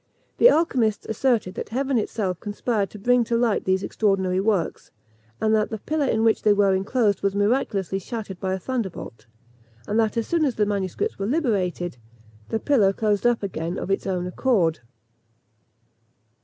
The alchymists asserted that heaven itself conspired to bring to light these extraordinary works; and that the pillar in which they were enclosed was miraculously shattered by a thunderbolt; and that as soon as the manuscripts were liberated, the pillar closed up again of its own accord!